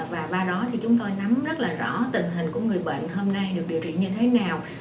và qua đó thì chúng tôi nắm rất là rõ tình hình của người bệnh hôm nay được điều trị như thế nào